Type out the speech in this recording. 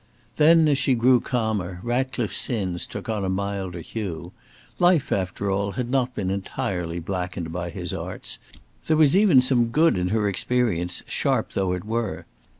Then as she grew calmer, Ratcliffe's sins took on a milder hue; life, after all, had not been entirely blackened by his arts; there was even some good in her experience, sharp though it were.